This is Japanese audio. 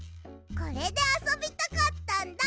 これであそびたかったんだ！